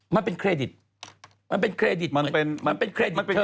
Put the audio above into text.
มันเป็นเครดิตมันเป็นเครดิตเครดิตเทิม